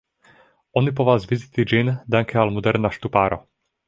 Oni povas viziti ĝin danke al moderna ŝtuparo.